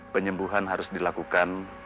penyembuhan harus dilakukan